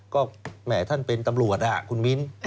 ก็แหมท่านเป็นตำรวจคุณมิ้น